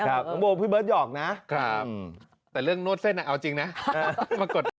น้องโบพี่เบิร์ตหยอกนะแต่เรื่องนวดเส้นเอาจริงนะมากด